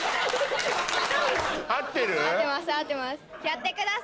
合ってる？